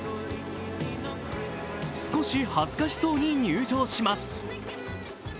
少し恥ずかしそうに入場します。